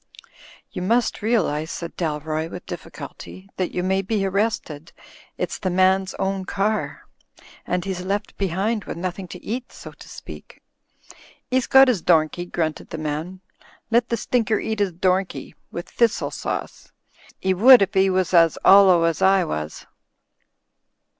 "You must realise," said Dalroy, with difficulty, "that you may be arrested — it's the man's own car ; and he's left behind with nothing to eat, so to speak." " 'E's got 'is domkey," grunted the man. "Let the stinker eat 'is domkey, with thistle sauce. 'E would if 'e was as 'ollow as I was."